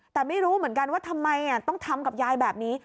แต่ไม่รู้เหมือนกันว่าทำไมต้องทำกับยายแบบนี้